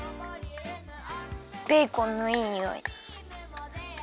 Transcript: ベーコンのいいにおい。